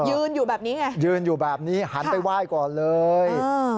ยืนอยู่แบบนี้ไงยืนอยู่แบบนี้หันไปไหว้ก่อนเลย